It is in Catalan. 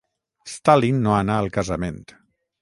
Stalin no anà al casament.